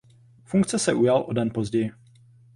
Funkce se ujal o den později.